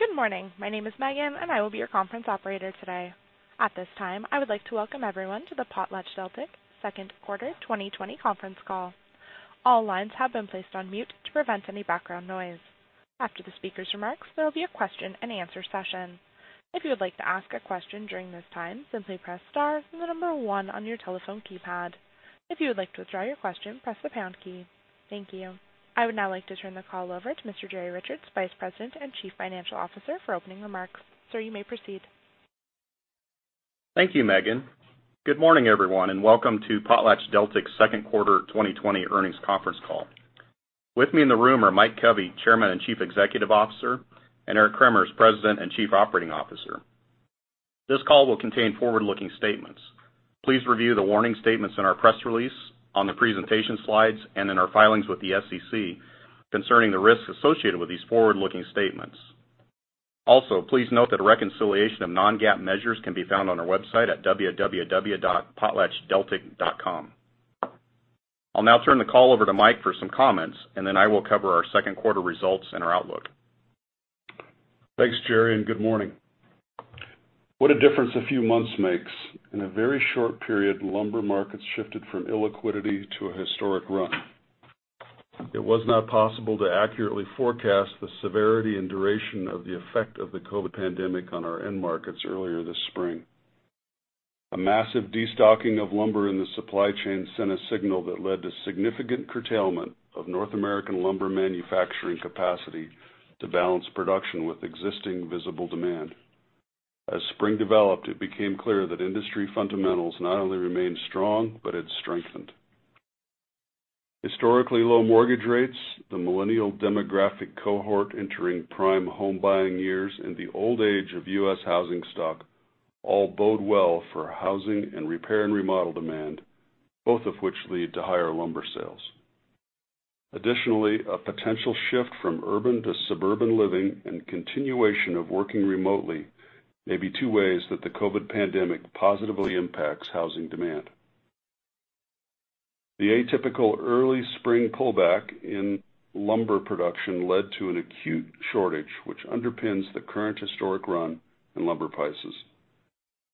Good morning. My name is Megan. I will be your conference operator today. At this time, I would like to welcome everyone to the PotlatchDeltic second quarter 2020 conference call. All lines have been placed on mute to prevent any background noise. After the speakers' remarks, there will be a question and answer session. If you would like to ask a question during this time, simply press star then the number one on your telephone keypad. If you would like to withdraw your question, press the pound key. Thank you. I would now like to turn the call over to Mr. Jerry Richards, Vice President and Chief Financial Officer, for opening remarks. Sir, you may proceed. Thank you, Megan. Good morning, everyone, and welcome to PotlatchDeltic second quarter 2020 earnings conference call. With me in the room are Mike Covey, Chairman and Chief Executive Officer, and Eric Cremers, President and Chief Operating Officer. This call will contain forward-looking statements. Please review the warning statements in our press release, on the presentation slides, and in our filings with the SEC concerning the risks associated with these forward-looking statements. Also, please note that a reconciliation of non-GAAP measures can be found on our website at www.potlatchdeltic.com. I'll now turn the call over to Mike for some comments, and then I will cover our second quarter results and our outlook. Thanks, Jerry. Good morning. What a difference a few months makes. In a very short period, lumber markets shifted from illiquidity to a historic run. It was not possible to accurately forecast the severity and duration of the effect of the COVID pandemic on our end markets earlier this spring. A massive destocking of lumber in the supply chain sent a signal that led to significant curtailment of North American lumber manufacturing capacity to balance production with existing visible demand. As spring developed, it became clear that industry fundamentals not only remained strong, but had strengthened. Historically low mortgage rates, the millennial demographic cohort entering prime home buying years, and the old age of U.S. housing stock all bode well for housing and repair and remodel demand, both of which lead to higher lumber sales. Additionally, a potential shift from urban to suburban living and continuation of working remotely may be two ways that the COVID pandemic positively impacts housing demand. The atypical early spring pullback in lumber production led to an acute shortage, which underpins the current historic run in lumber prices.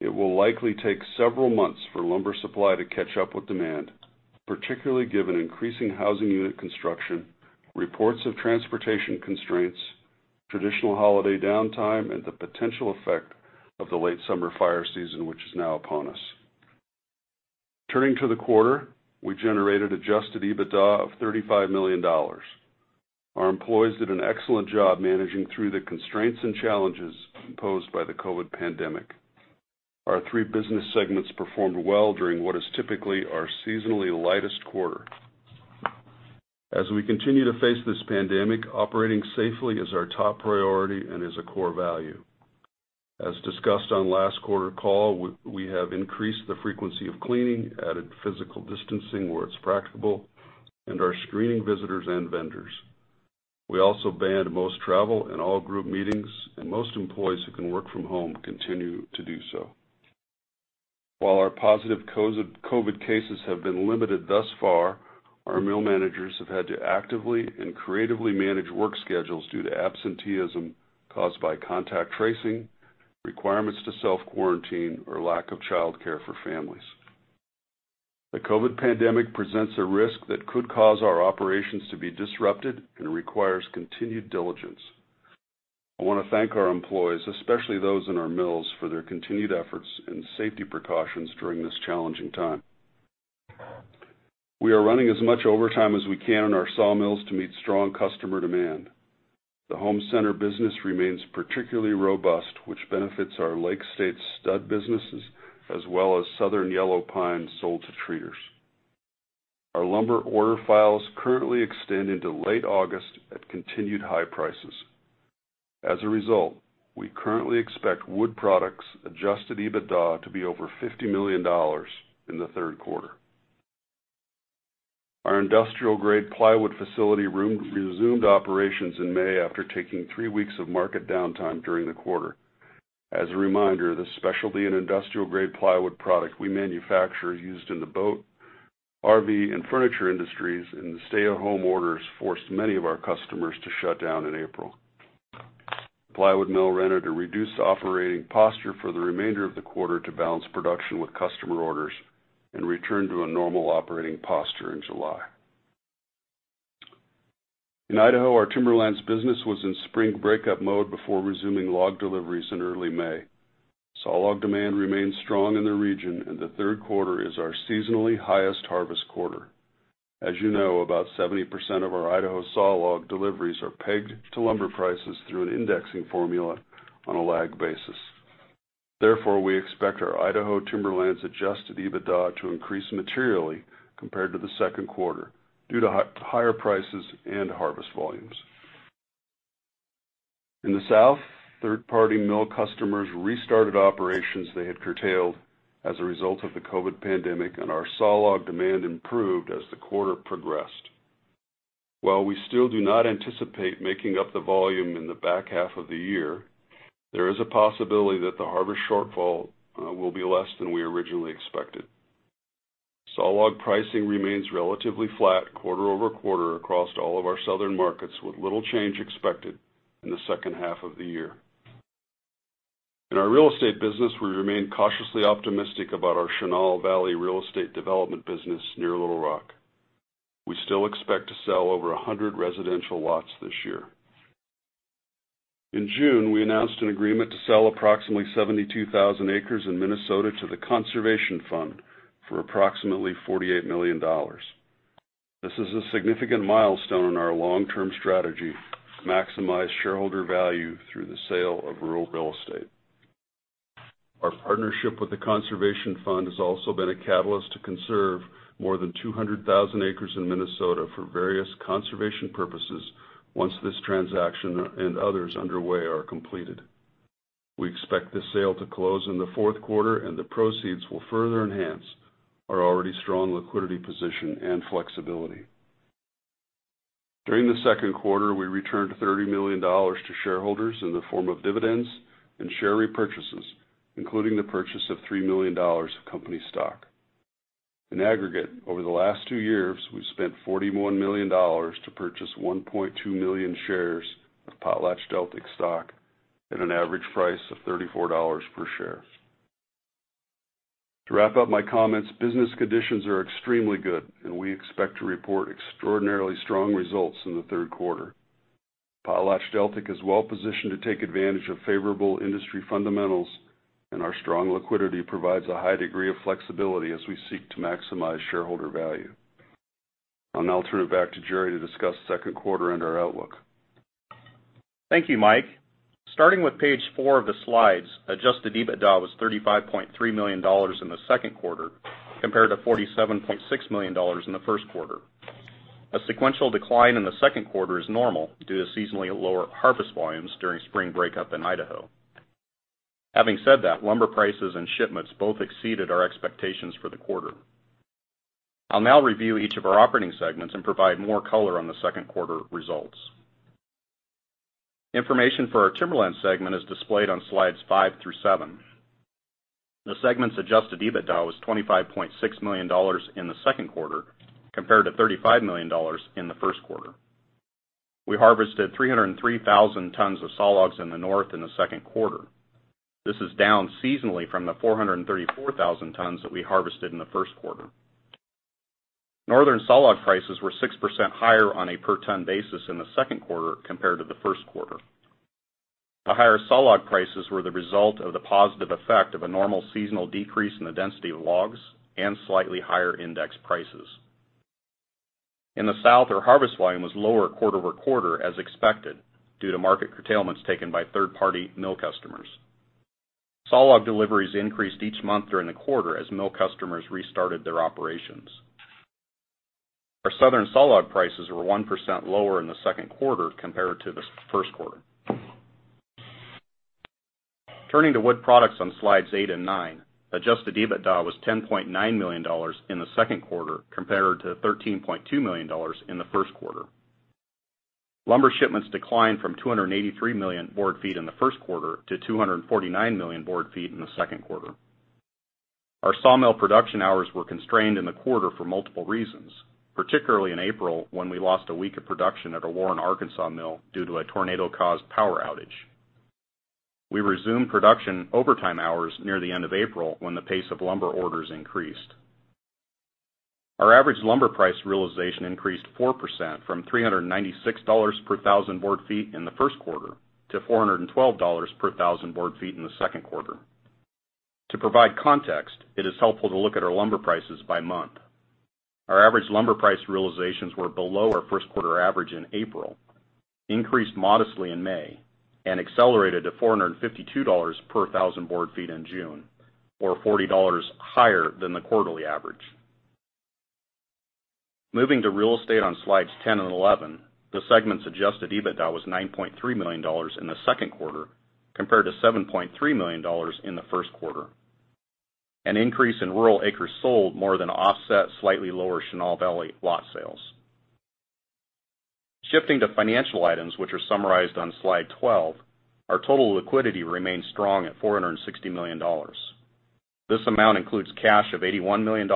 It will likely take several months for lumber supply to catch up with demand, particularly given increasing housing unit construction, reports of transportation constraints, traditional holiday downtime, and the potential effect of the late summer fire season, which is now upon us. Turning to the quarter, we generated adjusted EBITDA of $35 million. Our employees did an excellent job managing through the constraints and challenges posed by the COVID pandemic. Our three business segments performed well during what is typically our seasonally lightest quarter. As we continue to face this pandemic, operating safely is our top priority and is a core value. As discussed on last quarter's call, we have increased the frequency of cleaning, added physical distancing where it's practicable, and are screening visitors and vendors. We also banned most travel and all group meetings, and most employees who can work from home continue to do so. While our positive COVID cases have been limited thus far, our mill managers have had to actively and creatively manage work schedules due to absenteeism caused by contact tracing, requirements to self-quarantine, or lack of childcare for families. The COVID pandemic presents a risk that could cause our operations to be disrupted and requires continued diligence. I want to thank our employees, especially those in our mills, for their continued efforts and safety precautions during this challenging time. We are running as much overtime as we can in our sawmills to meet strong customer demand. The home center business remains particularly robust, which benefits our Lake States stud businesses as well as southern yellow pine sold to treaters. Our lumber order files currently extend into late August at continued high prices. As a result, we currently expect Wood Products adjusted EBITDA to be over $50 million in the third quarter. Our industrial-grade plywood facility resumed operations in May after taking three weeks of market downtime during the quarter. As a reminder, the specialty and industrial-grade plywood product we manufacture is used in the boat, RV, and furniture industries, and the stay-at-home orders forced many of our customers to shut down in April. The plywood mill ran at a reduced operating posture for the remainder of the quarter to balance production with customer orders and returned to a normal operating posture in July. In Idaho, our Timberlands business was in spring breakup mode before resuming log deliveries in early May. Sawlog demand remains strong in the region, and the third quarter is our seasonally highest harvest quarter. As you know, about 70% of our Idaho sawlog deliveries are pegged to lumber prices through an indexing formula on a lagged basis. Therefore, we expect our Idaho Timberlands adjusted EBITDA to increase materially compared to the second quarter due to higher prices and harvest volumes. In the South, third-party mill customers restarted operations they had curtailed as a result of the COVID pandemic, and our sawlog demand improved as the quarter progressed. While we still do not anticipate making up the volume in the back half of the year, there is a possibility that the harvest shortfall will be less than we originally expected. Sawlog pricing remains relatively flat quarter-over-quarter across all of our southern markets, with little change expected in the second half of the year. In our Real Estate business, we remain cautiously optimistic about our Chenal Valley Real Estate development business near Little Rock. We still expect to sell over 100 residential lots this year. In June, we announced an agreement to sell approximately 72,000 acres in Minnesota to the Conservation Fund for approximately $48 million. This is a significant milestone in our long-term strategy to maximize shareholder value through the sale of rural Real Estate. Our partnership with the Conservation Fund has also been a catalyst to conserve more than 200,000 acres in Minnesota for various conservation purposes once this transaction and others underway are completed. We expect the sale to close in the fourth quarter, and the proceeds will further enhance our already strong liquidity position and flexibility. During the second quarter, we returned $30 million to shareholders in the form of dividends and share repurchases, including the purchase of $3 million of company stock. In aggregate, over the last two years, we've spent $41 million to purchase 1.2 million shares of PotlatchDeltic stock at an average price of $34 per share. To wrap up my comments, business conditions are extremely good, and we expect to report extraordinarily strong results in the third quarter. PotlatchDeltic is well-positioned to take advantage of favorable industry fundamentals, and our strong liquidity provides a high degree of flexibility as we seek to maximize shareholder value. I'll now turn it back to Jerry to discuss the second quarter and our outlook. Thank you, Mike. Starting with page four of the slides, adjusted EBITDA was $35.3 million in the second quarter, compared to $47.6 million in the first quarter. A sequential decline in the second quarter is normal due to seasonally lower harvest volumes during spring breakup in Idaho. Having said that, lumber prices and shipments both exceeded our expectations for the quarter. I'll now review each of our operating segments and provide more color on the second quarter results. Information for our Timberland segment is displayed on slides five through seven. The segment's adjusted EBITDA was $25.6 million in the second quarter, compared to $35 million in the first quarter. We harvested 303,000 tons of sawlogs in the North in the second quarter. This is down seasonally from the 434,000 tons that we harvested in the first quarter. Northern sawlog prices were 6% higher on a per-ton basis in the second quarter compared to the first quarter. The higher sawlog prices were the result of the positive effect of a normal seasonal decrease in the density of logs and slightly higher index prices. In the South, our harvest volume was lower quarter-over-quarter as expected due to market curtailments taken by third-party mill customers. Sawlog deliveries increased each month during the quarter as mill customers restarted their operations. Our Southern sawlog prices were 1% lower in the second quarter compared to the first quarter. Turning to Wood Products on slides eight and nine, adjusted EBITDA was $10.9 million in the second quarter compared to $13.2 million in the first quarter. Lumber shipments declined from 283 million board feet in the first quarter to 249 million board feet in the second quarter. Our sawmill production hours were constrained in the quarter for multiple reasons, particularly in April when we lost a week of production at our Warren, Arkansas mill due to a tornado-caused power outage. We resumed production overtime hours near the end of April when the pace of lumber orders increased. Our average lumber price realization increased 4% from $396 per thousand board feet in the first quarter to $412 per thousand board feet in the second quarter. To provide context, it is helpful to look at our lumber prices by month. Our average lumber price realizations were below our first-quarter average in April, increased modestly in May, and accelerated to $452 per thousand board feet in June, or $40 higher than the quarterly average. Moving to Real Estate on slides 10 and 11, the segment's adjusted EBITDA was $9.3 million in the second quarter, compared to $7.3 million in the first quarter. An increase in rural acres sold more than offset slightly lower Chenal Valley lot sales. Shifting to financial items, which are summarized on slide 12, our total liquidity remains strong at $460 million. This amount includes cash of $81 million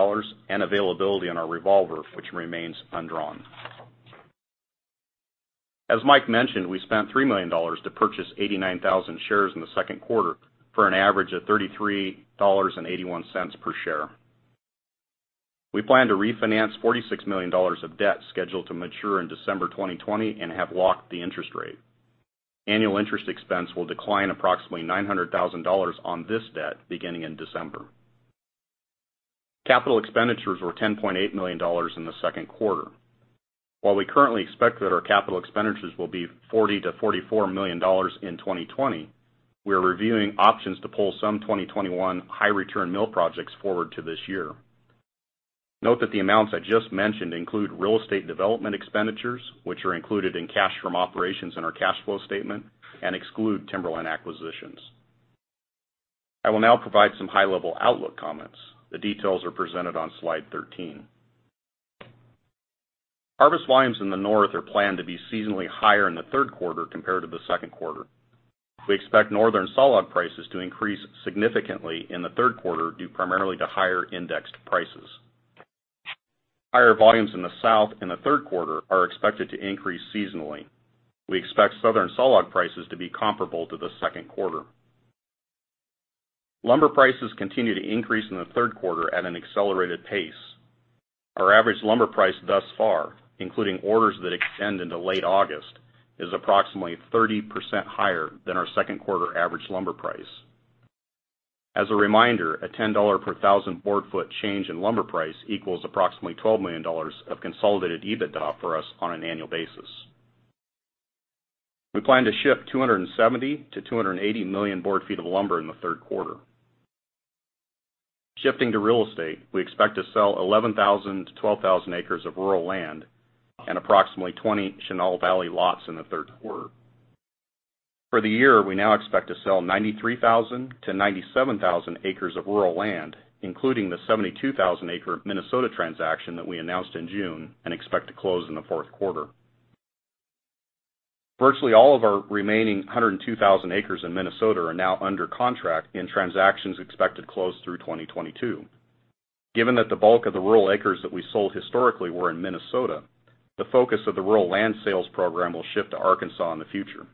and availability on our revolver, which remains undrawn. As Mike mentioned, we spent $3 million to purchase 89,000 shares in the second quarter for an average of $33.81 per share. We plan to refinance $46 million of debt scheduled to mature in December 2020 and have locked the interest rate. Annual interest expense will decline approximately $900,000 on this debt beginning in December. Capital expenditures were $10.8 million in the second quarter. While we currently expect that our capital expenditures will be $40 million-$44 million in 2020, we are reviewing options to pull some 2021 high-return mill projects forward to this year. Note that the amounts I just mentioned include Real Estate development expenditures, which are included in cash from operations in our cash flow statement and exclude Timberland acquisitions. I will now provide some high-level outlook comments. The details are presented on slide 13. Harvest volumes in the North are planned to be seasonally higher in the third quarter compared to the second quarter. We expect Northern sawlog prices to increase significantly in the third quarter, due primarily to higher indexed prices. Higher volumes in the South in the third quarter are expected to increase seasonally. We expect Southern sawlog prices to be comparable to the second quarter. Lumber prices continue to increase in the third quarter at an accelerated pace. Our average lumber price thus far, including orders that extend into late August, is approximately 30% higher than our second quarter average lumber price. As a reminder, a $10 per thousand board foot change in lumber price equals approximately $12 million of consolidated EBITDA for us on an annual basis. We plan to ship 270-280 million board feet of lumber in the third quarter. Shifting to Real Estate, we expect to sell 11,000 to 12,000 acres of rural land and approximately 20 Chenal Valley lots in the third quarter. For the year, we now expect to sell 93,000 to 97,000 acres of rural land, including the 72,000-acre Minnesota transaction that we announced in June and expect to close in the fourth quarter. Virtually all of our remaining 102,000 acres in Minnesota are now under contract in transactions expected close through 2022. Given that the bulk of the rural acres that we sold historically were in Minnesota, the focus of the rural land sales program will shift to Arkansas in the future.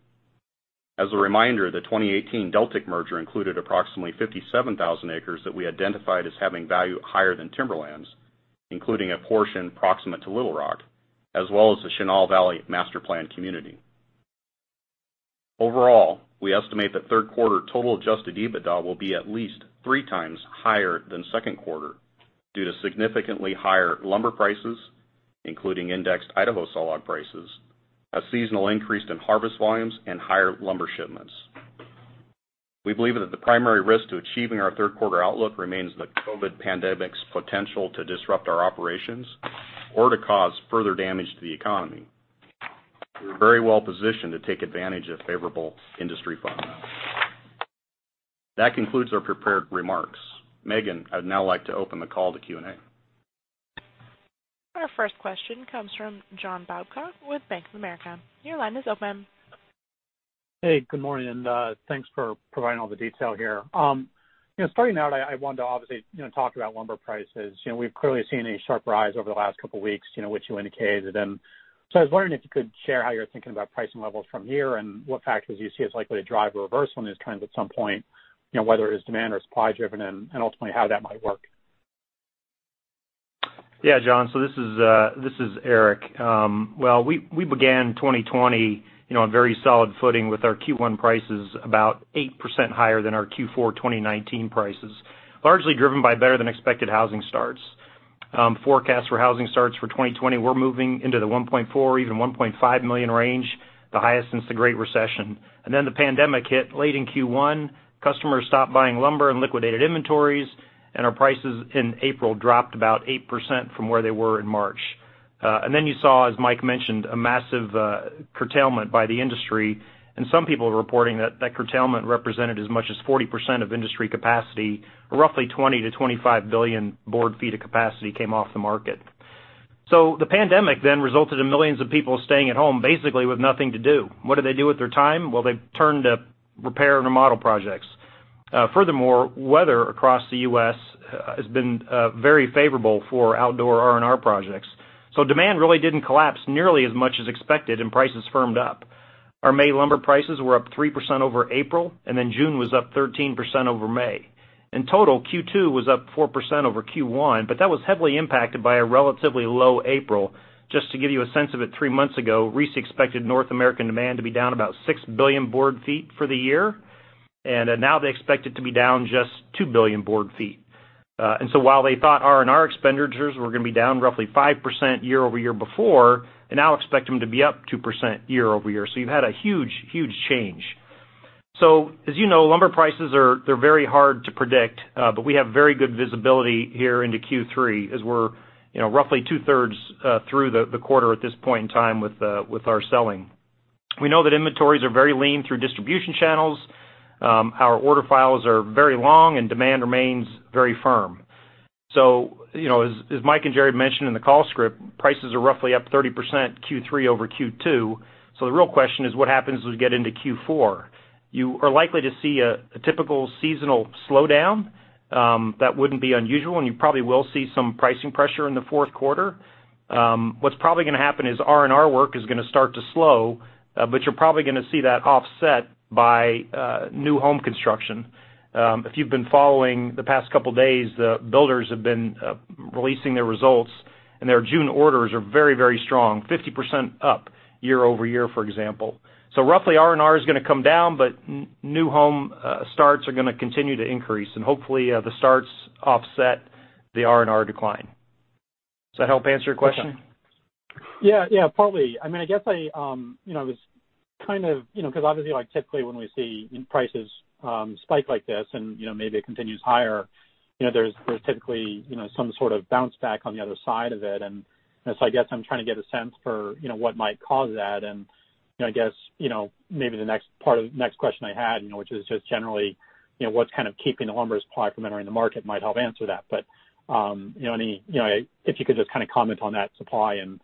As a reminder, the 2018 Deltic merger included approximately 57,000 acres that we identified as having value higher than Timberlands, including a portion proximate to Little Rock, as well as the Chenal Valley Master Plan Community. Overall, we estimate that third quarter total adjusted EBITDA will be at least three times higher than second quarter due to significantly higher lumber prices, including indexed Idaho sawlog prices, a seasonal increase in harvest volumes, and higher lumber shipments. We believe that the primary risk to achieving our third quarter outlook remains the COVID pandemic's potential to disrupt our operations or to cause further damage to the economy. We're very well-positioned to take advantage of favorable industry fundamentals. That concludes our prepared remarks. Megan, I'd now like to open the call to Q&A. Our first question comes from John Babcock with Bank of America. Your line is open. Hey, good morning, and thanks for providing all the detail here. Starting out, I wanted to obviously talk about lumber prices. We've clearly seen a sharp rise over the last couple of weeks, which you indicated. I was wondering if you could share how you're thinking about pricing levels from here and what factors you see as likely to drive a reversal in these trends at some point, whether it's demand or supply-driven, and ultimately how that might work. John, this is Eric. We began 2020 on very solid footing with our Q1 prices about 8% higher than our Q4 2019 prices, largely driven by better-than-expected housing starts. Forecasts for housing starts for 2020 were moving into the 1.4, even 1.5 million range, the highest since the Great Recession. The pandemic hit late in Q1. Customers stopped buying lumber and liquidated inventories, and our prices in April dropped about 8% from where they were in March. You saw, as Mike mentioned, a massive curtailment by the industry, and some people are reporting that that curtailment represented as much as 40% of industry capacity, or roughly 20 to 25 billion board feet of capacity came off the market. The pandemic then resulted in millions of people staying at home basically with nothing to do. What do they do with their time? Well, they've turned to repair and remodel projects. Furthermore, weather across the U.S. has been very favorable for outdoor R&R projects. Demand really didn't collapse nearly as much as expected, and prices firmed up. Our May lumber prices were up 3% over April, and then June was up 13% over May. In total, Q2 was up 4% over Q1, but that was heavily impacted by a relatively low April. Just to give you a sense of it, three months ago, RISI expected North American demand to be down about 6 billion board feet for the year, and now they expect it to be down just 2 billion board feet. While they thought R&R expenditures were going to be down roughly 5% year-over-year before, they now expect them to be up 2% year-over-year. You've had a huge change. As you know, lumber prices are very hard to predict, but we have very good visibility here into Q3 as we're roughly two-thirds through the quarter at this point in time with our selling. We know that inventories are very lean through distribution channels. Our order files are very long, and demand remains very firm. As Mike and Jerry mentioned in the call script, prices are roughly up 30% Q3 over Q2. The real question is what happens as we get into Q4? You are likely to see a typical seasonal slowdown. That wouldn't be unusual, and you probably will see some pricing pressure in the fourth quarter. What's probably going to happen is R&R work is going to start to slow, but you're probably going to see that offset by new home construction. If you've been following the past couple of days, the builders have been releasing their results, and their June orders are very strong, 50% up year-over-year, for example. Roughly R&R is going to come down, but new home starts are going to continue to increase, and hopefully the starts offset the R&R decline. Does that help answer your question? Yeah, partly. Because obviously, typically when we see prices spike like this and maybe it continues higher, there's typically some sort of bounce back on the other side of it. I guess I'm trying to get a sense for what might cause that. I guess maybe the next part of the next question I had, which is just generally what's kind of keeping the lumber supply from entering the market might help answer that. If you could just comment on that supply and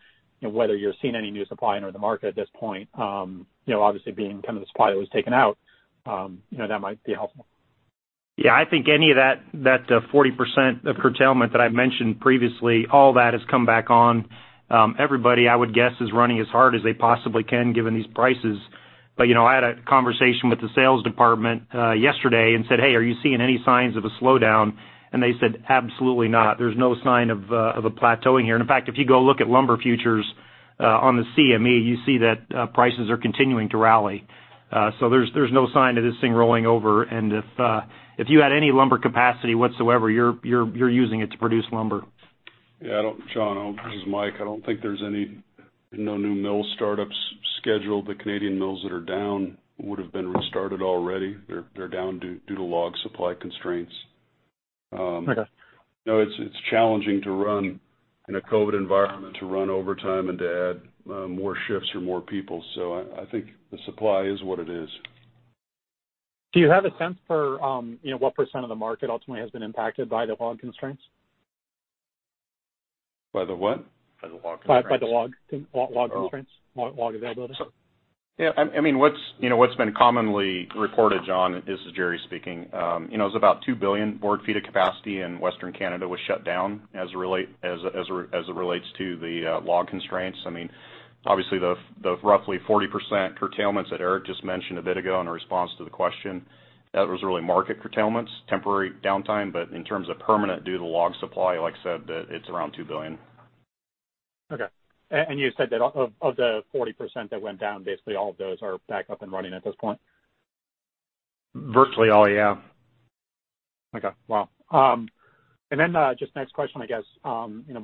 whether you're seeing any new supply enter the market at this point, obviously being the supply that was taken out, that might be helpful. Yeah. I think any of that 40% of curtailment that I mentioned previously, all that has come back on. Everybody, I would guess, is running as hard as they possibly can, given these prices. I had a conversation with the sales department yesterday and said, "Hey, are you seeing any signs of a slowdown?" They said, "Absolutely not." There's no sign of a plateauing here. In fact, if you go look at lumber futures on the CME, you see that prices are continuing to rally. There's no sign of this thing rolling over, and if you had any lumber capacity whatsoever, you're using it to produce lumber. Yeah. John, this is Mike. I don't think there's any new mill startups scheduled. The Canadian mills that are down would've been restarted already. They're down due to log supply constraints. Okay. It's challenging, in a COVID environment, to run overtime and to add more shifts or more people. I think the supply is what it is. Do you have a sense for what percent of the market ultimately has been impacted by the log constraints? By the what? By the log constraints, log availability. Yeah. What's been commonly reported, John, this is Jerry speaking, is about 2 billion board feet of capacity in Western Canada was shut down as it relates to the log constraints. Obviously, the roughly 40% curtailments that Eric just mentioned a bit ago in response to the question, that was really market curtailments, temporary downtime, but in terms of permanent due to log supply, like I said, it's around 2 billion. Okay. You said that of the 40% that went down, basically all of those are back up and running at this point? Virtually all, yeah. Okay. Wow. Just next question, I guess,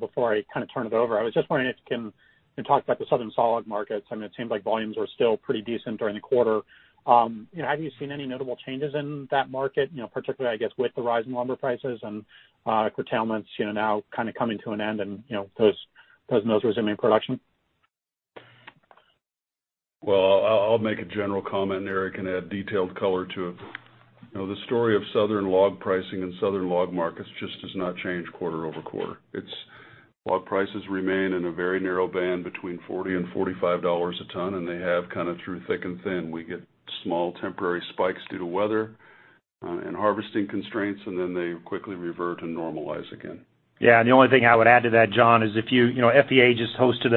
before I turn it over, I was just wondering if you can talk about the southern yellow pine markets. It seems like volumes are still pretty decent during the quarter. Have you seen any notable changes in that market, particularly, I guess, with the rise in lumber prices and curtailments now coming to an end and those mills resuming production? Well, I'll make a general comment and Eric can add detailed color to it. The story of southern log pricing and southern log markets just does not change quarter-over-quarter. Log prices remain in a very narrow band between $40 and $45 a ton, and they have through thick and thin. We get small temporary spikes due to weather and harvesting constraints, and then they quickly revert and normalize again. Yeah. The only thing I would add to that, John, FEA just hosted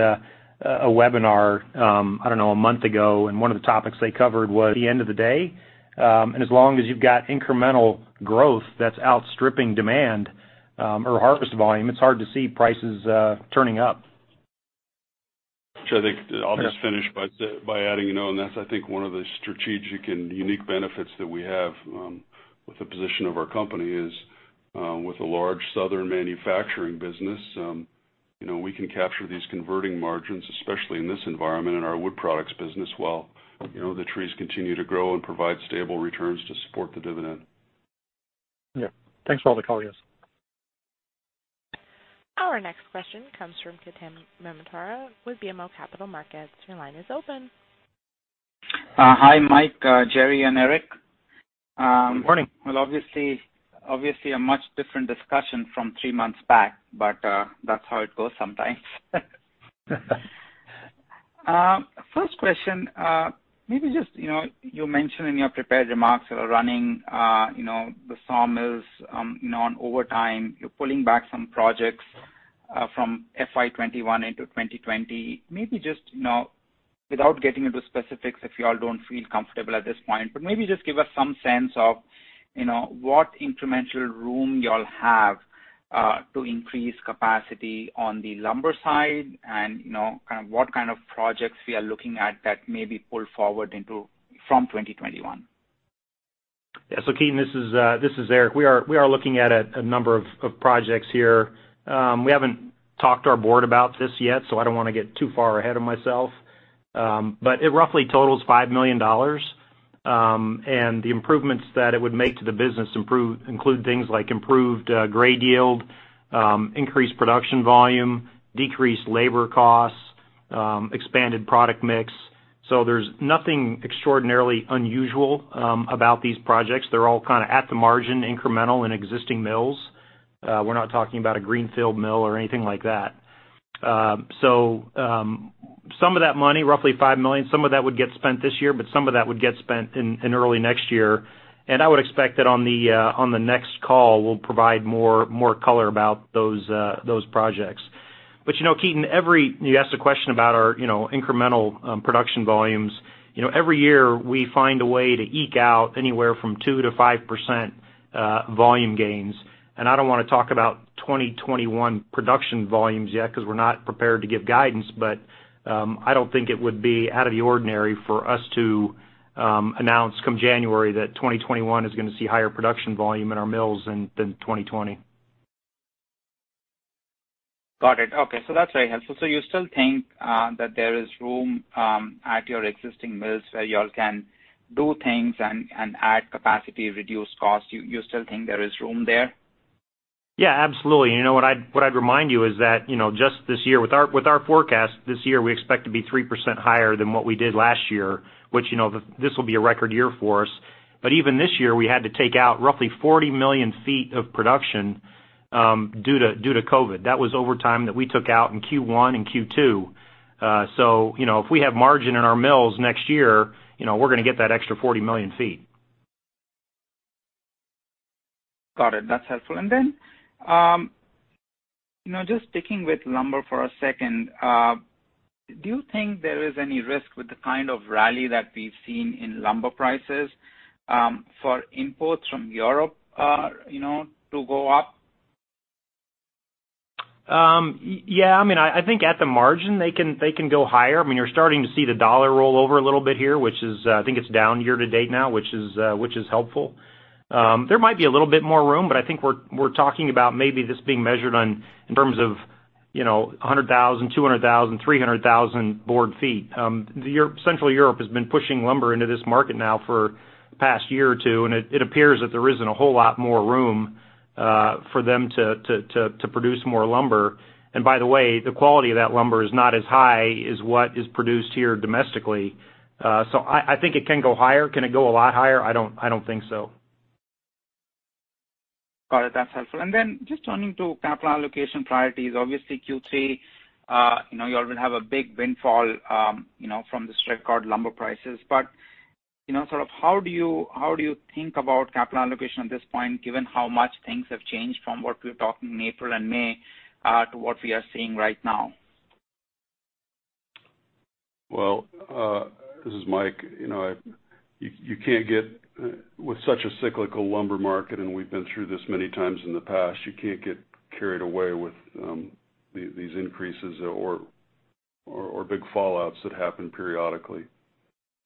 a webinar, I don't know, a month ago, and one of the topics they covered was the end of the day. As long as you've got incremental growth that's outstripping demand or harvest volume, it's hard to see prices turning up. Which I think I'll just finish by adding, and that's, I think, one of the strategic and unique benefits that we have with the position of our company is with a large southern manufacturing business. We can capture these converting margins, especially in this environment, in our Wood Products business while the trees continue to grow and provide stable returns to support the dividend. Yeah. Thanks for all the color, guys. Our next question comes from Ketan Mamtora with BMO Capital Markets. Your line is open. Hi, Mike, Jerry, and Eric. Good morning. Well, obviously, a much different discussion from three months back. That's how it goes sometimes. First question, you mention in your prepared remarks that are running the sawmills on overtime. You're pulling back some projects from FY 2021 into 2020. Maybe just without getting into specifics, if you all don't feel comfortable at this point, maybe just give us some sense of what incremental room you all have to increase capacity on the lumber side and what kind of projects we are looking at that may be pulled forward from 2021. Yeah. Ketan, this is Eric. We are looking at a number of projects here. We haven't talked to our board about this yet, I don't want to get too far ahead of myself. It roughly totals $5 million. The improvements that it would make to the business include things like improved grade yield, increased production volume, decreased labor costs, expanded product mix. There's nothing extraordinarily unusual about these projects. They're all at the margin, incremental in existing mills. We're not talking about a greenfield mill or anything like that. Some of that money, roughly $5 million, some of that would get spent this year, some of that would get spent in early next year. I would expect that on the next call, we'll provide more color about those projects. Ketan, you asked a question about our incremental production volumes. Every year, we find a way to eke out anywhere from 2%-5% volume gains. I don't want to talk about 2021 production volumes yet because we're not prepared to give guidance, I don't think it would be out of the ordinary for us to announce come January that 2021 is going to see higher production volume in our mills than 2020. Got it. Okay. That's very helpful. You still think that there is room at your existing mills where you all can do things and add capacity, reduce cost? You still think there is room there? Yeah, absolutely. What I'd remind you is that just this year with our forecast this year, we expect to be 3% higher than what we did last year, which this will be a record year for us. Even this year, we had to take out roughly 40 million feet of production due to COVID. That was overtime that we took out in Q1 and Q2. If we have margin in our mills next year, we're going to get that extra 40 million feet. Got it. That's helpful. Then, just sticking with lumber for a second, do you think there is any risk with the kind of rally that we've seen in lumber prices for imports from Europe to go up? Yeah. I think at the margin, they can go higher. You're starting to see the dollar roll over a little bit here, which is, I think it's down year-to-date now, which is helpful. There might be a little bit more room, I think we're talking about maybe this being measured in terms of 100,000, 200,000, 300,000 board feet. Central Europe has been pushing lumber into this market now for the past year or two, it appears that there isn't a whole lot more room for them to produce more lumber. By the way, the quality of that lumber is not as high as what is produced here domestically. I think it can go higher. Can it go a lot higher? I don't think so. Got it. That's helpful. Just turning to capital allocation priorities, obviously Q3, you already have a big windfall from the sky-high lumber prices. Sort of how do you think about capital allocation at this point, given how much things have changed from what we were talking in April and May to what we are seeing right now? Well, this is Mike. With such a cyclical lumber market, we've been through this many times in the past, you can't get carried away with these increases or big fallouts that happen periodically.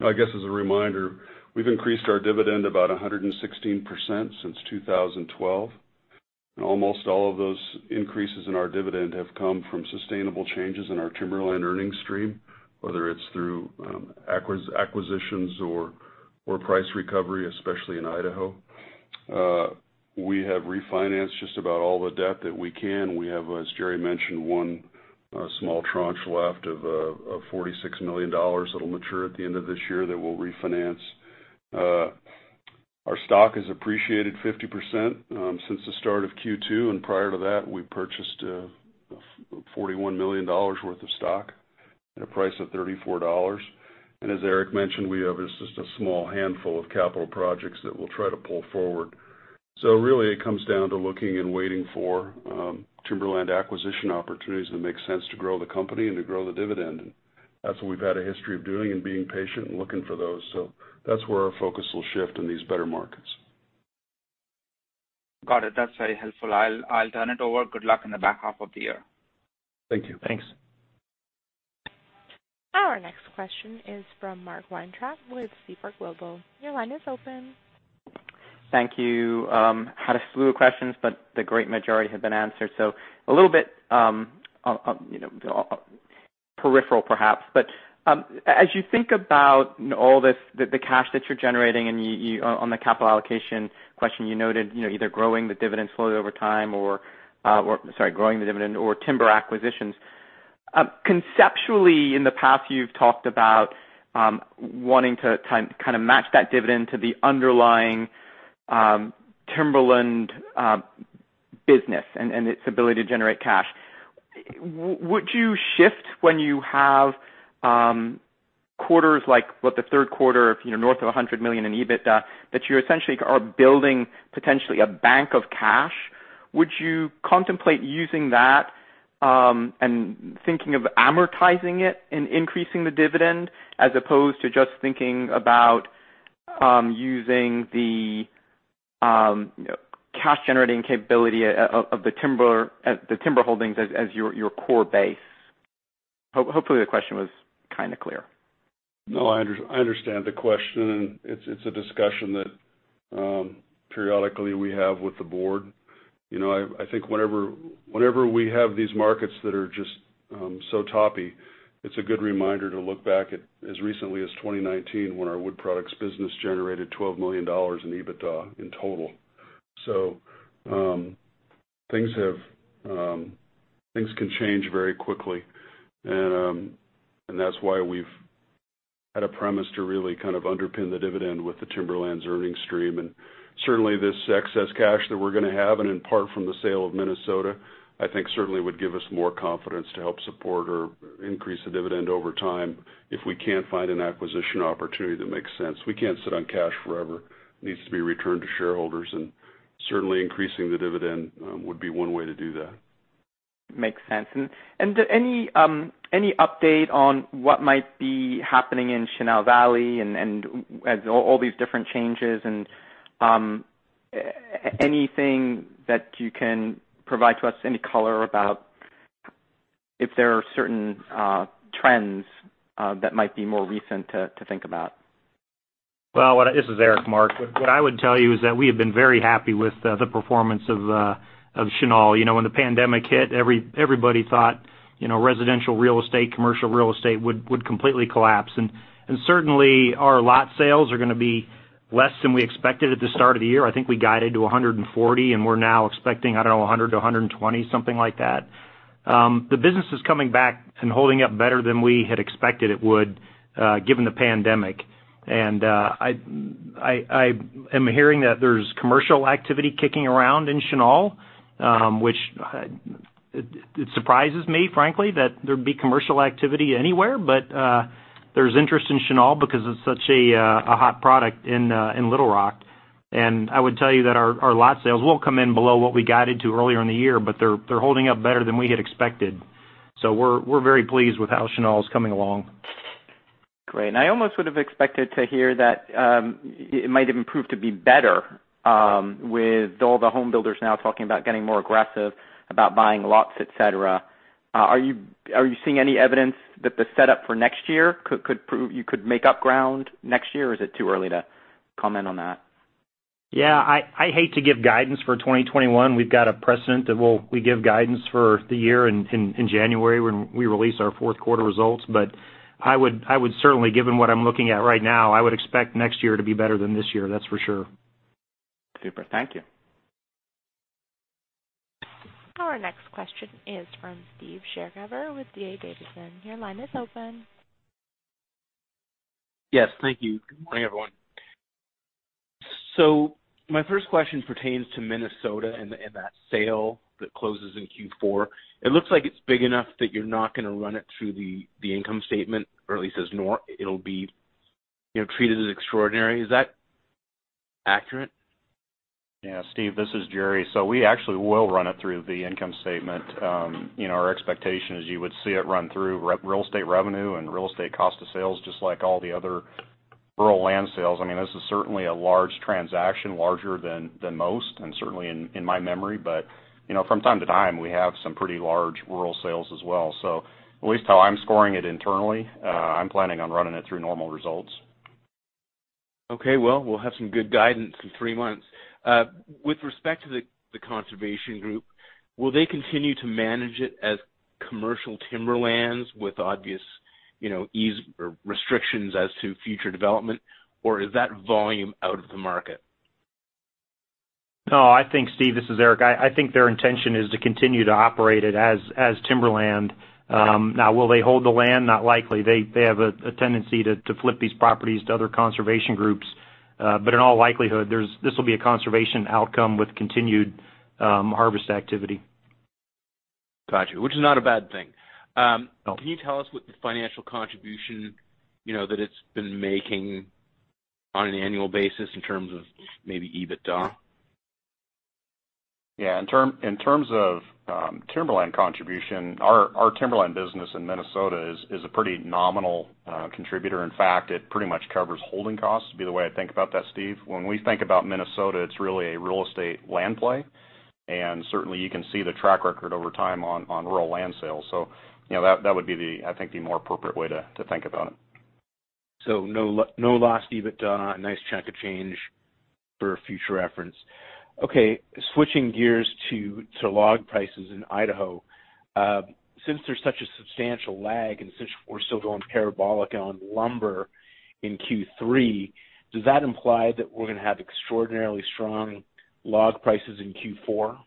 I guess as a reminder, we've increased our dividend about 116% since 2012, almost all of those increases in our dividend have come from sustainable changes in our Timberland earnings stream, whether it's through acquisitions or price recovery, especially in Idaho. We have refinanced just about all the debt that we can. We have, as Jerry mentioned, one small tranche left of $46 million that'll mature at the end of this year that we'll refinance. Our stock has appreciated 50% since the start of Q2, prior to that, we purchased $41 million worth of stock at a price of $34. As Eric mentioned, we have just a small handful of capital projects that we'll try to pull forward. Really it comes down to looking and waiting for Timberland acquisition opportunities that make sense to grow the company and to grow the dividend. That's what we've had a history of doing and being patient and looking for those. That's where our focus will shift in these better markets. Got it. That's very helpful. I'll turn it over. Good luck in the back half of the year. Thank you. Thanks. Our next question is from Mark Weintraub with Seaport Global. Your line is open. Thank you. Had a slew of questions, but the great majority have been answered. A little bit peripheral perhaps, but as you think about all the cash that you're generating and on the capital allocation question you noted either growing the dividend slowly over time or timber acquisitions. Conceptually, in the past you've talked about wanting to kind of match that dividend to the underlying Timberland business and its ability to generate cash. Would you shift when you have quarters like, what the third quarter of north of $100 million in EBITDA that you essentially are building potentially a bank of cash? Would you contemplate using that and thinking of amortizing it and increasing the dividend as opposed to just thinking about using the cash-generating capability of the timber holdings as your core base? Hopefully the question was kind of clear? No, I understand the question, and it's a discussion that periodically we have with the board. I think whenever we have these markets that are just so toppy, it's a good reminder to look back at as recently as 2019 when our Wood Products business generated $12 million in EBITDA in total. Things can change very quickly, and that's why we've had a premise to really kind of underpin the dividend with the Timberland's earnings stream. Certainly this excess cash that we're going to have, and in part from the sale of Minnesota, I think certainly would give us more confidence to help support or increase the dividend over time if we can't find an acquisition opportunity that makes sense. We can't sit on cash forever. It needs to be returned to shareholders, and certainly increasing the dividend would be one way to do that. Makes sense. Any update on what might be happening in Chenal Valley and as all these different changes and anything that you can provide to us, any color about if there are certain trends that might be more recent to think about? Well, this is Eric, Mark. What I would tell you is that we have been very happy with the performance of Chenal. When the pandemic hit, everybody thought residential Real Estate, commercial Real Estate would completely collapse. Certainly our lot sales are going to be less than we expected at the start of the year. I think we guided to 140, and we're now expecting, I don't know, 100 to 120, something like that. The business is coming back and holding up better than we had expected it would given the pandemic. I am hearing that there's commercial activity kicking around in Chenal which it surprises me, frankly, that there'd be commercial activity anywhere. There's interest in Chenal because it's such a hot product in Little Rock. I would tell you that our lot sales will come in below what we guided to earlier in the year, but they're holding up better than we had expected. We're very pleased with how Chenal is coming along. Great. I almost would have expected to hear that it might even prove to be better with all the home builders now talking about getting more aggressive about buying lots, et cetera. Are you seeing any evidence that the setup for next year could prove you could make up ground next year, or is it too early to comment on that? Yeah. I hate to give guidance for 2021. We've got a precedent that we give guidance for the year in January when we release our fourth quarter results. I would certainly, given what I'm looking at right now, I would expect next year to be better than this year, that's for sure. Super. Thank you. Our next question is from Steve Chercover with D.A. Davidson. Your line is open. Yes. Thank you. Good morning, everyone. My first question pertains to Minnesota and that sale that closes in Q4. It looks like it's big enough that you're not going to run it through the income statement, or at least it'll be treated as extraordinary. Is that accurate? Steve, this is Jerry. We actually will run it through the income statement. Our expectation is you would see it run through Real Estate revenue and Real Estate cost of sales, just like all the other rural land sales. This is certainly a large transaction, larger than most, and certainly in my memory. From time to time, we have some pretty large rural sales as well. At least how I'm scoring it internally, I'm planning on running it through normal results. Okay. Well, we'll have some good guidance in three months. With respect to the conservation group, will they continue to manage it as commercial Timberlands with obvious ease or restrictions as to future development, or is that volume out of the market? No, Steve, this is Eric. I think their intention is to continue to operate it as Timberland. Okay. Will they hold the land? Not likely. They have a tendency to flip these properties to other conservation groups. In all likelihood, this will be a conservation outcome with continued harvest activity. Got you. Which is not a bad thing. No. Can you tell us what the financial contribution that it's been making on an annual basis in terms of maybe EBITDA? Yeah. In terms of Timberland contribution, our Timberland business in Minnesota is a pretty nominal contributor. In fact, it pretty much covers holding costs, would be the way I think about that, Steve. When we think about Minnesota, it's really a Real Estate land play, and certainly you can see the track record over time on rural land sales. That would be, I think, the more appropriate way to think about it. No lost EBITDA, a nice chunk of change for future reference. Okay. Switching gears to log prices in Idaho. Since there's such a substantial lag and since we're still going parabolic on lumber in Q3, does that imply that we're going to have extraordinarily strong log prices in Q4?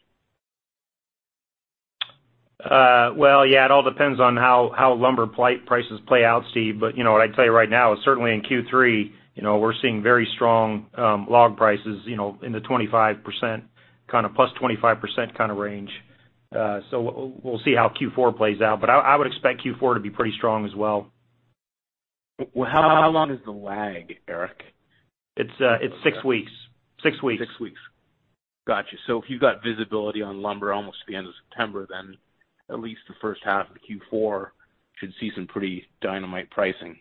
Well, yeah, it all depends on how lumber prices play out, Steve. What I'd tell you right now is certainly in Q3 we're seeing very strong log prices in the 25%, kind of +25% kind of range. We'll see how Q4 plays out, but I would expect Q4 to be pretty strong as well. How long is the lag, Eric? It's six weeks. Six weeks. Got you. If you've got visibility on lumber almost to the end of September, at least the first half of Q4 should see some pretty dynamite pricing.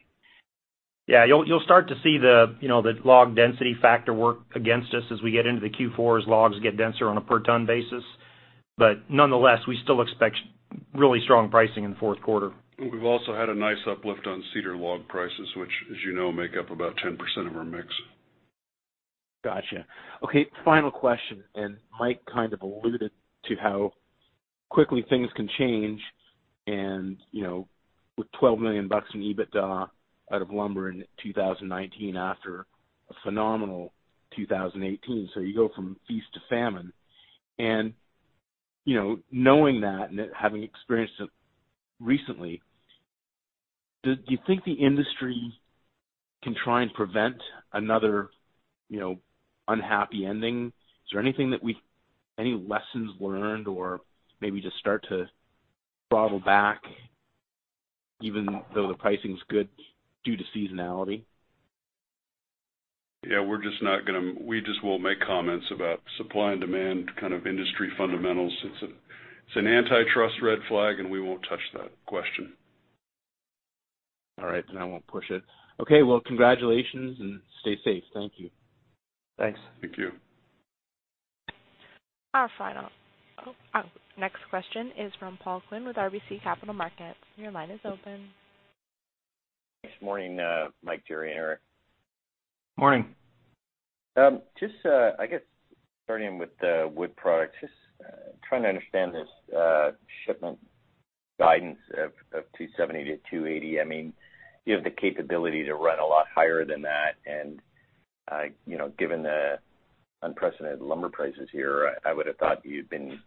Yeah. You'll start to see the log density factor work against us as we get into the Q4s, logs get denser on a per ton basis. Nonetheless, we still expect really strong pricing in the fourth quarter. We've also had a nice uplift on cedar log prices, which as you know, make up about 10% of our mix. Got you. Okay, final question. Mike kind of alluded to how quickly things can change and with $12 million in EBITDA out of lumber in 2019 after a phenomenal 2018. You go from feast to famine. Knowing that and having experienced it recently, do you think the industry can try and prevent another unhappy ending? Is there any lessons learned or maybe just start to throttle back even though the pricing's good due to seasonality? Yeah, we just won't make comments about supply and demand kind of industry fundamentals. It's an antitrust red flag, and we won't touch that question. All right, I won't push it. Okay. Well, congratulations and stay safe. Thank you. Thanks. Thank you. Our next question is from Paul Quinn with RBC Capital Markets. Your line is open. Good morning, Mike, Jerry, and Eric. Morning. Starting with Wood Products, trying to understand this shipment guidance of 270 million-280 million. You have the capability to run a lot higher than that. Given the unprecedented lumber prices here, I would have thought you'd been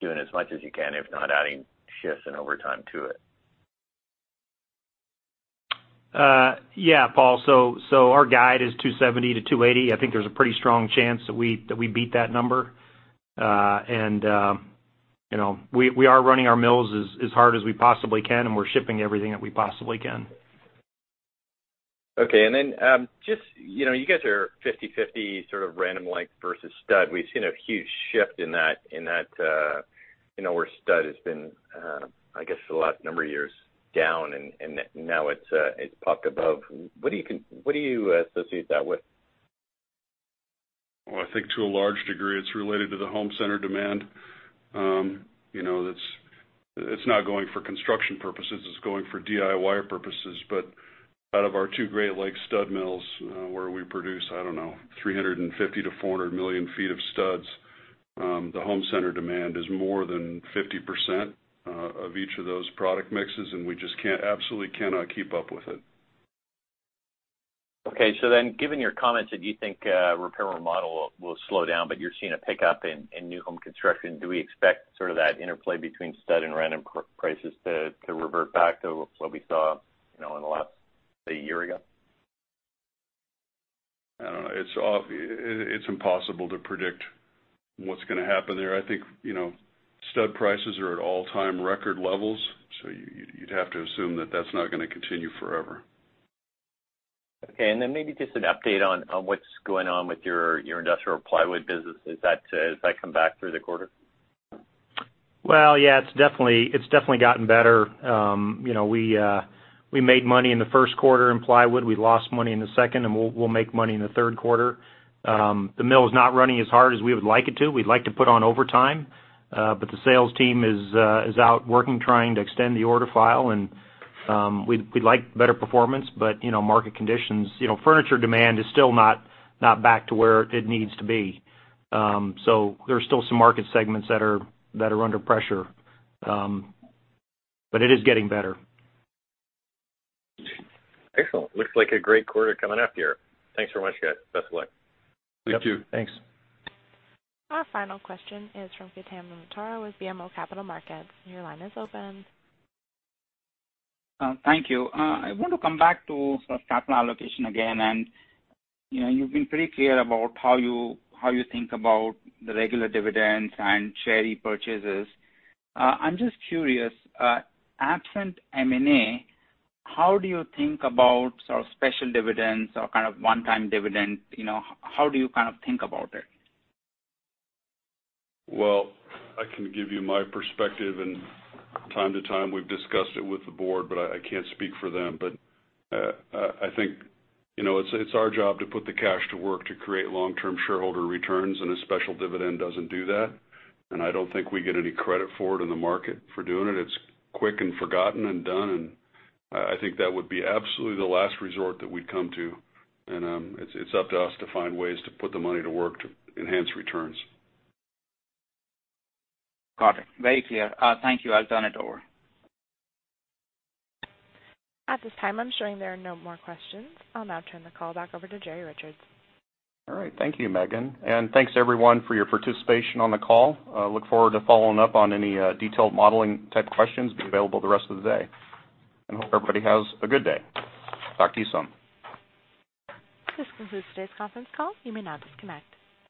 doing as much as you can, if not adding shifts and overtime to it. Yeah, Paul. Our guide is 270 million-280 million. I think there's a pretty strong chance that we beat that number. We are running our mills as hard as we possibly can, and we're shipping everything that we possibly can. Okay. You guys are 50/50 sort of random length versus stud. We've seen a huge shift in that, where stud has been, I guess the last number of years, down, and now it's popped above. What do you associate that with? Well, I think to a large degree, it's related to the home center demand. It's not going for construction purposes, it's going for DIY purposes. Out of our two Great Lakes stud mills where we produce, I don't know, 350 million-400 million feet of studs, the home center demand is more than 50% of each of those product mixes, and we just absolutely cannot keep up with it. Given your comments that you think repair/remodel will slow down, but you're seeing a pickup in new home construction, do we expect sort of that interplay between stud and random prices to revert back to what we saw in the last, say, year ago? I don't know. It's impossible to predict what's going to happen there. I think stud prices are at all-time record levels, so you'd have to assume that that's not going to continue forever. Okay, maybe just an update on what's going on with your industrial plywood business. Has that come back through the quarter? Well, yeah. It's definitely gotten better. We made money in the first quarter in plywood. We lost money in the second, we'll make money in the third quarter. The mill is not running as hard as we would like it to. We'd like to put on overtime. The sales team is out working, trying to extend the order file, we'd like better performance. Furniture demand is still not back to where it needs to be. There are still some market segments that are under pressure. It is getting better. Excellent. Looks like a great quarter coming up here. Thanks so much, guys. Best of luck. Thank you. Thanks. Our final question is from Ketan Mamtora with BMO Capital Markets. Your line is open. Thank you. I want to come back to sort of capital allocation again. You've been pretty clear about how you think about the regular dividends and share repurchases. I'm just curious, absent M&A, how do you think about special dividends or kind of one-time dividend? How do you kind of think about it? Well, I can give you my perspective, and time to time, we've discussed it with the board, but I can't speak for them. I think it's our job to put the cash to work to create long-term shareholder returns, and a special dividend doesn't do that. I don't think we get any credit for it in the market for doing it. It's quick and forgotten and done, and I think that would be absolutely the last resort that we'd come to. It's up to us to find ways to put the money to work to enhance returns. Got it. Very clear. Thank you. I'll turn it over. At this time, I'm showing there are no more questions. I'll now turn the call back over to Jerry Richards. All right. Thank you, Megan. Thanks everyone for your participation on the call. Look forward to following up on any detailed modeling type questions. I'll be available the rest of the day. I hope everybody has a good day. Talk to you soon. This concludes today's conference call. You may now disconnect.